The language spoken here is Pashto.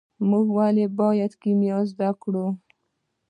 موږ ولې باید کیمیا زده کړو.